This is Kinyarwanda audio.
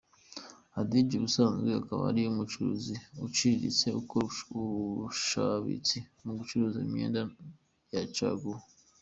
Hadija, ubusanzwe akaba ari umucuruzi uciriritse ukora ubushabitsi mu bucuruzi bw’imyenda ya caguwa.